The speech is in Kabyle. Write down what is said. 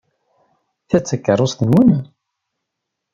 Ta d takeṛṛust-nwen?